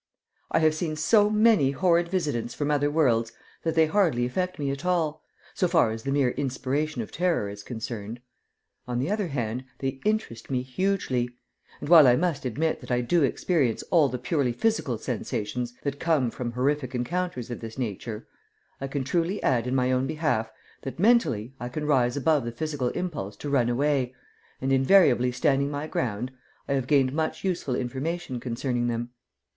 I have seen so many horrid visitants from other worlds that they hardly affect me at all, so far as the mere inspiration of terror is concerned. On the other hand, they interest me hugely; and while I must admit that I do experience all the purely physical sensations that come from horrific encounters of this nature, I can truly add in my own behalf that mentally I can rise above the physical impulse to run away, and, invariably standing my ground, I have gained much useful information concerning them.